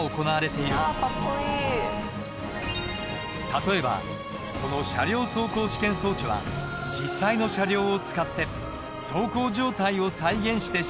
例えばこの車両走行試験装置は実際の車両を使って走行状態を再現して試験を行う。